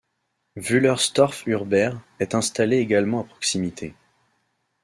Wüllerstorf-Urbair est installé également à proximité.